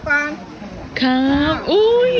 ไปมิกินกล้วยไป